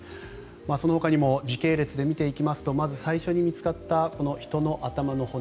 そのほかにも時系列で見ていきますとまず最初に見つかった人の頭の骨。